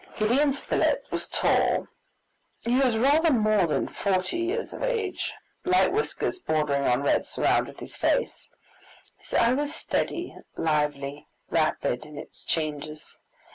Gideon Spilett was tall. He was rather more than forty years of age. Light whiskers bordering on red surrounded his face. His eye was steady, lively, rapid in its changes.